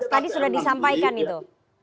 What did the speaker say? tadi sudah disampaikan itu